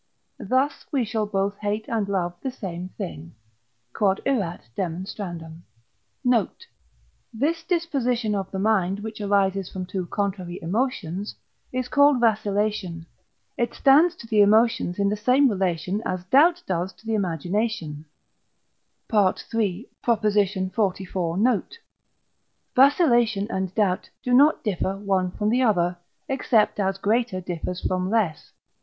thus we shall both hate and love the same thing. Q.E.D. Note. This disposition of the mind, which arises from two contrary emotions, is called vacillation; it stands to the emotions in the same relation as doubt does to the imagination (II. xliv. note); vacillation and doubt do not differ one from the other, except as greater differs from less.